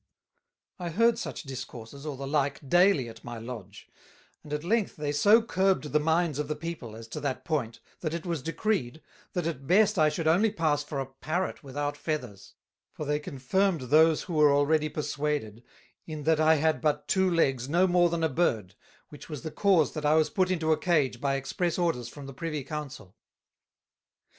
I heard such Discourses, or the like, daily at my Lodge; and at length they so curbed the minds of the people as to that point, that it was decreed, That at best I should only pass for a Parrot without Feathers; for they confirmed those who were already perswaded, in that I had but two Legs no more than a Bird, which was the cause that I was put into a Cage by express orders from the Privy Council.